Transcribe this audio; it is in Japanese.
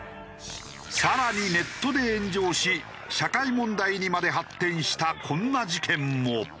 更にネットで炎上し社会問題にまで発展したこんな事件も。